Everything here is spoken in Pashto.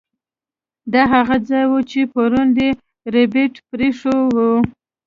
دا هغه ځای و چې پرون یې ربیټ پریښی و